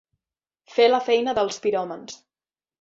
Fer la feina dels piròmans.